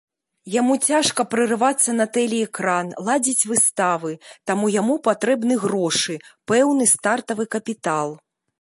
Яму цяжка прарывацца на тэлеэкран, ладзіць выставы, таму яму патрэбны грошы, пэўны стартавы капітал.